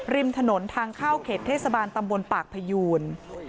ริมถนนทางเข้าเขตเทศบาลตำบลปากพยูน